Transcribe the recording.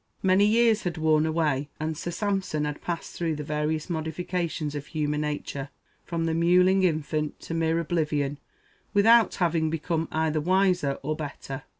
Many years had worn away, and Sir Sampson had passed through the various modifications of human nature, from the "mewling infant" to "mere oblivion," without having become either wiser or better.